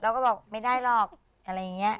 เราก็บอกไม่ได้หรอกอะไรอย่างนี้